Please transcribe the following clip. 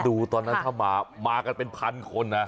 คิดดูตอนนั้นถ้ามามากันเป็นพันคนนะ